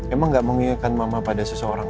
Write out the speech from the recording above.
emang gak mengingatkan mama pada seseorang